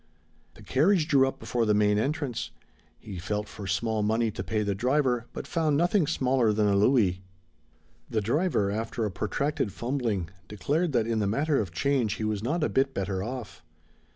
The carriage drew up before the main entrance. He felt for small money to pay the driver, but found nothing smaller than a louis. The driver, after a protracted fumbling, declared that in the matter of change he was not a bit better of.